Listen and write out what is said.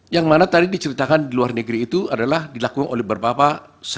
yang mana tadi diceritakan di luar negeri itu adalah dilakukan oleh bapak